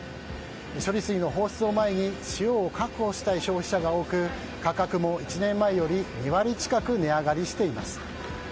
処理水の放出を前に塩を確保したい消費者が多く価格も１年前より２割近く値上がりしています。